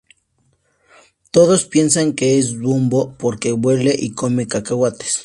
Todos piensan que es Dumbo porque vuela y come cacahuetes.